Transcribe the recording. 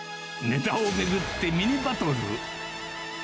ネタを巡って、ミニバトル。